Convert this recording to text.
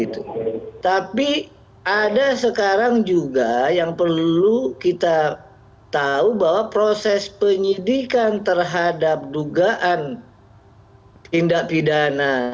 tapi ada sekarang juga yang perlu kita tahu bahwa proses penyidikan terhadap dugaan tindak pidana